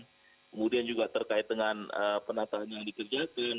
kemudian juga terkait dengan penataan yang dikerjakan